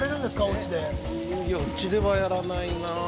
家ではやらないな。